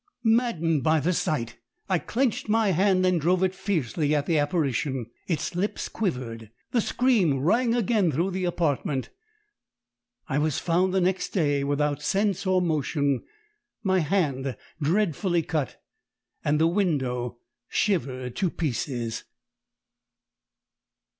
"Maddened by the sight, I clenched my hand and drove it fiercely at the apparition. "Its lips quivered the scream rang again through the apartment. I was found next day without sense or motion, my hand dreadfully cut, and the window shivered to pieces."